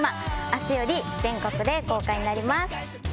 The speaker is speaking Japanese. あすより全国で公開になります。